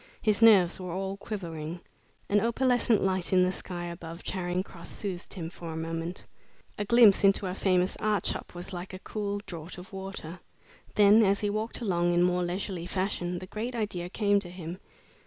His nerves were all quivering. An opalescent light in the sky above Charing Cross soothed him for a moment. A glimpse into a famous art shop was like a cool draught of water. Then, as he walked along in more leisurely fashion, the great idea came to him.